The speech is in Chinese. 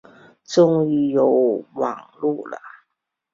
终于有网路了